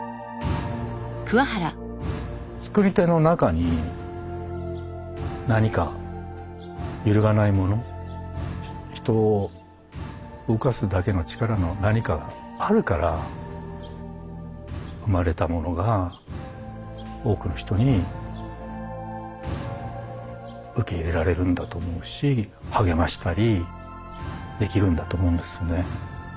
作り手の中に何か揺るがないもの人を動かすだけの力の何かがあるから生まれたものが多くの人に受け入れられるんだと思うし励ましたりできるんだと思うんですよね。